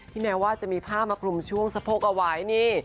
แม้ว่าจะมีผ้ามาคลุมช่วงสะโพกเอาไว้นี่